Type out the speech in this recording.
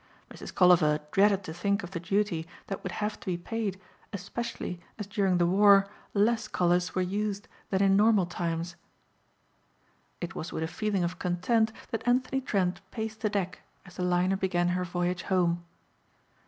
Mrs. Colliver dreaded to think of the duty that would have to be paid especially as during the war less collars were used than in normal times. It was with a feeling of content that Anthony Trent paced the deck as the liner began her voyage home.